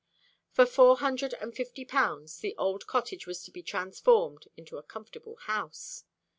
For four hundred and fifty pounds the old cottage was to be transformed into a comfortable house.